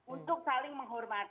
untuk saling menghormati